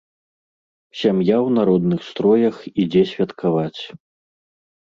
Сям'я ў народных строях ідзе святкаваць.